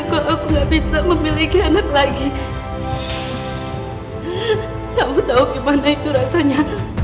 kamu gak pernah tahu rasanya